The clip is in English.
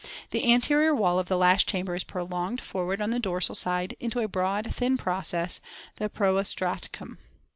The anterior wall of the last chamber is prolonged for ward on the dorsal side into a broad, thin process, the proostracum.